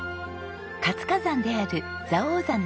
活火山である蔵王山の火口湖